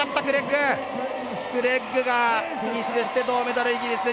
クレッグがフィニッシュして銅メダル、イギリス。